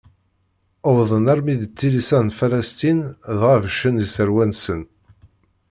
Wwḍen armi d tilisa n Falesṭin dɣa beccen iserwula-nsen.